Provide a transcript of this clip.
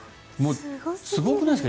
すごくないですか？